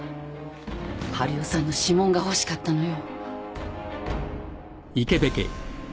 治代さんの指紋が欲しかったのよ。